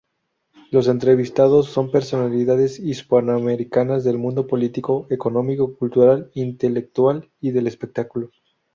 Los entrevistados son personalidades hispanoamericanas del mundo político, económico, cultural, intelectual y del espectáculo.